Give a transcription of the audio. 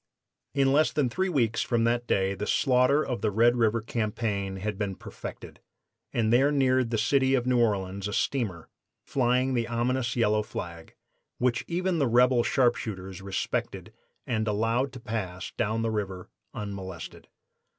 "In less than three weeks from that day the slaughter of the Red River campaign had been perfected, and there neared the city of New Orleans a steamer flying the ominous yellow flag, which even the rebel sharpshooters respected and allowed to pass down the river unmolested.